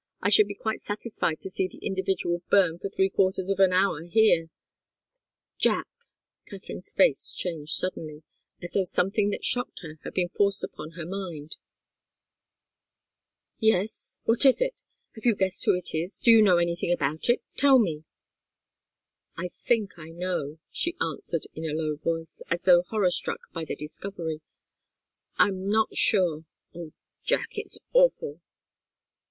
I should be quite satisfied to see the individual burn for three quarters of an hour here." "Jack " Katharine's face changed suddenly, as though something that shocked her had been forced upon her mind. "Yes what is it? Have you guessed who it is? Do you know anything about it? Tell me!" "I think I know," she answered, in a low voice, as though horror struck by the discovery. "I'm not sure oh, Jack! It's awful!"